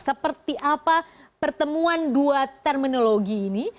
seperti apa pertemuan dua terminologi ini